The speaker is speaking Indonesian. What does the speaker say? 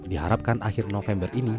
diharapkan akhir november ini